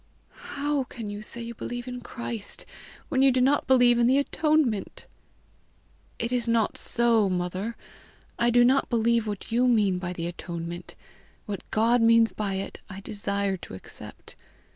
"How can you say you believe in Christ, when you do not believe in the atonement!" "It is not so, mother. I do not believe what you mean by the atonement; what God means by it, I desire to accept.